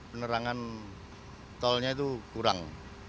penerangan tolnya itu kurang